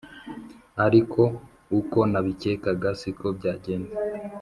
… ariko uko nabikekaga siko byagenze